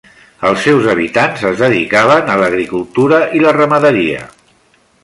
Els seus habitants es dedicaven a l'agricultura i la ramaderia.